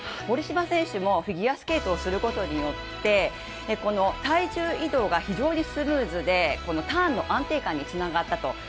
堀島選手もフィギュアスケートをすることによって体重移動が非常にスムーズでターンの安定感につながったと。